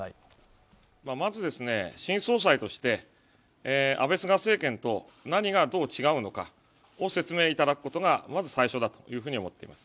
まず新総裁として安倍・菅政権と何がどう違うのかを説明いただくことが最初だと思っています。